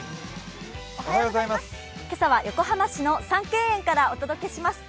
今朝は横浜市の三渓園からお届けします。